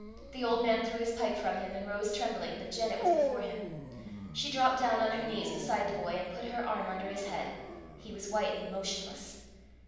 The old man threw his pipe from him, and rose trembling, but Janet was before him. She dropt down on her knees beside the boy, and put her arm under his head. He was white and motionless.